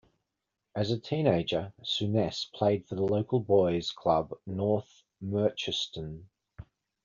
As a teenager Souness played for local boys' club North Merchiston.